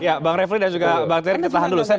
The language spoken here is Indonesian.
ya bang refli dan juga bang terry kita tahan dulu